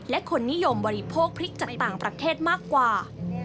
และคนนิยมบริโภคพริกจากต่างประเทศมากกว่า